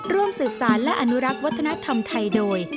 ร่วมสืบสารและอนุรักษ์วัฒนธรรมไทยโดย